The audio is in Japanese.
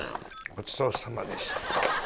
ごちそうさまでした。